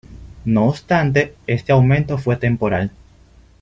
No obstante, este aumento fue temporal.